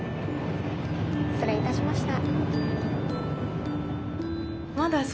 失礼いたしました。